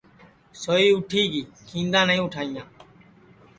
سوئی اُٹھی گی کھیندا نائی اُٹھائیاں